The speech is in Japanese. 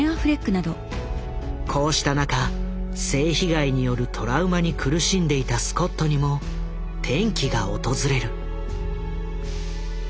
こうした中性被害によるトラウマに苦しんでいたスコットにも転機が訪れる。